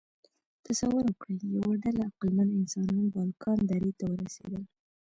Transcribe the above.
تصور وکړئ، یوه ډله عقلمن انسانان بالکان درې ته ورسېدل.